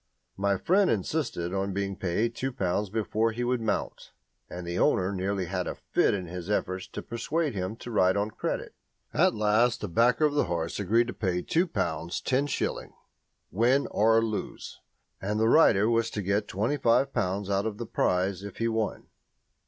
My friend insisted on being paid two pounds before he would mount, and the owner nearly had a fit in his efforts to persuade him to ride on credit. At last a backer of the horse agreed to pay 2 pounds 10s., win or lose, and the rider was to get 25 pounds out of the prize if he won.